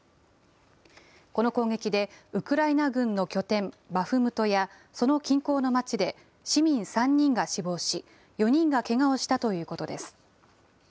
この攻撃で、ウクライナ軍の拠点、バフムトやその近郊の町で、市民３人が死亡し、４人がけがをしたということです。